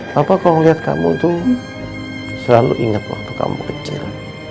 bapak kalau lihat kamu tuh selalu inget waktu kamu kecil